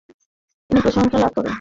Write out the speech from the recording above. তিনি প্রশংসা লাভ করেছেন।